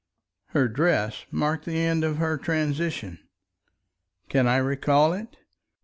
Her dress marked the end of her transition. Can I recall it?